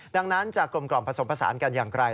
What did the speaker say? ดังนั้นจากกลมกล่อมผสมผสานกันอย่างไกล